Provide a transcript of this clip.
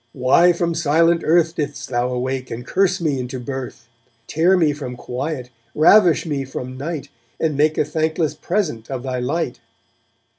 Why from silent earth Didst thou awake, and curse me into birth? Tear me from quiet, ravish me from night, And make a thankless present of thy light?